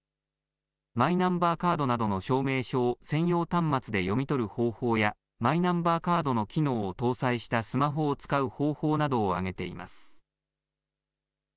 マイナンバーカードなどの証明書を専用端末で読み取る方法や、マイナンバーカードの機能を搭載したスマホを使う方法などを挙げています。